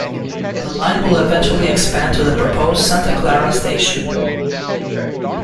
The line will eventually expand to the proposed Santa Clara station.